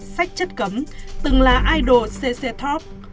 sách chất cấm từng là idol cc top